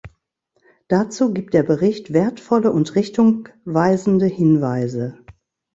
Dazu gibt der Bericht wertvolle und richtungweisende Hinweise.